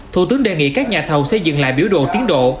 thủ tướng đề nghị các nhà thầu xây dựng lại biểu đồ tiến độ